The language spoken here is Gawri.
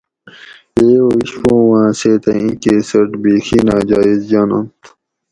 ییٔو اشپوؤاں سیتہ ایں کیسٹ بیخی ناجائز جاننت